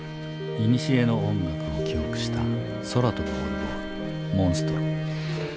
いにしえの音楽を記憶した空飛ぶオルゴール「モンストロ」。